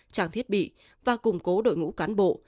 trang thiết bị và củng cố đội ngũ cán bộ